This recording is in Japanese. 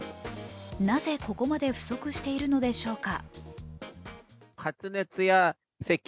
なぜここまで不足してるのでしょうか。